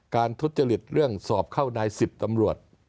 ทุจริตเรื่องสอบเข้านาย๑๐ตำรวจ